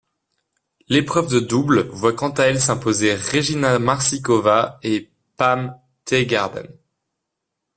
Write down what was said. L'épreuve de double voit quant à elle s'imposer Regina Maršíková et Pam Teeguarden.